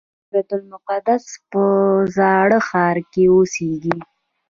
هغه د بیت المقدس په زاړه ښار کې اوسېږي.